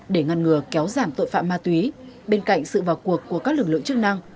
để ngăn ngừa kéo giảm tội phạm ma túy bên cạnh sự vào cuộc của các lực lượng chức năng